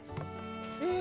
うん！